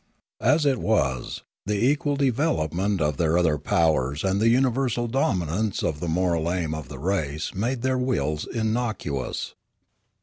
As it was, the equal development of their other powers and the universal dominance of the moral aim of the race made their wills innocuous.